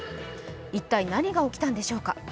一体、何が起きたんでしょうか。